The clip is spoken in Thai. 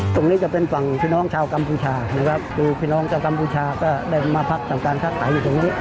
ตรงนี้จะเป็นฝั่งพี่น้องชาวกัมพูชานะครับคือพี่น้องชาวกัมพูชาก็ได้มาพักทำการค้าขายอยู่ตรงนี้